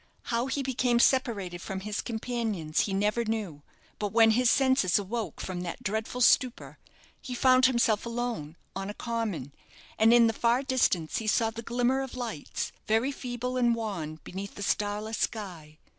How he became separated from his companions he never knew; but when his senses awoke from that dreadful stupor, he found himself alone, on a common, and in the far distance he saw the glimmer of lights very feeble and wan beneath the starless sky.